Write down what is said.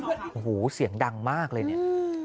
โอ้โหเสียงดังมากเลย